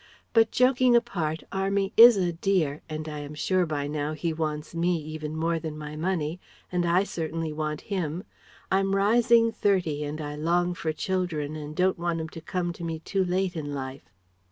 But joking apart, 'Army' is a dear and I am sure by now he wants me even more than my money and I certainly want him. I'm rising thirty and I long for children and don't want 'em to come to me too late in life."